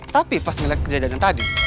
tapi pas ngeliat kejadian tadi